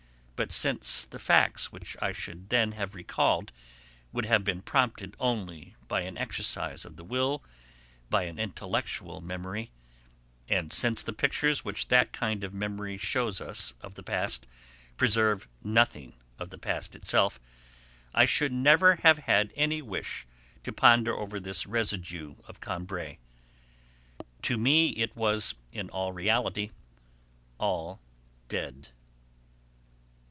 But since the facts which I should then have recalled would have been prompted only by an exercise of the will, by my intellectual memory, and since the pictures which that kind of memory shews us of the past preserve nothing of the past itself, I should never have had any wish to ponder over this residue of Combray. To me it was in reality all dead.